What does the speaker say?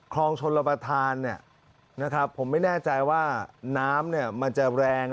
คลองชนรับประทานผมไม่แน่ใจว่าน้ำมันจะแรง